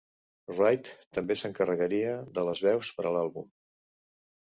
Wright també s'encarregaria de les veus per a l'àlbum.